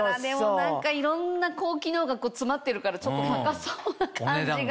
何かいろんな高機能が詰まってるからちょっと高そうな感じが。